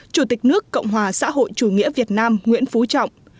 chủ tịch nước cộng hòa xã hội chủ nghĩa việt nam nguyễn phú trọng